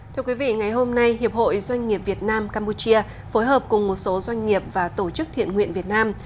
thưa quý vị ngày hôm nay hiệp hội doanh nghiệp việt nam campuchia phối hợp cùng một số doanh nghiệp và tổ chức thiện nguyện việt nam